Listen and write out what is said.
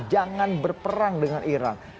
jangan berperang dengan iran